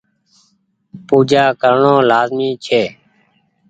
پوجآ ڪرڻو لآزمي ڇي۔